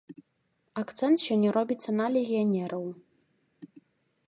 Акцэнт сёння робіцца на легіянераў.